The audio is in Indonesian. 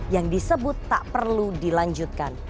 yang disebut tak perlu dilanjutkan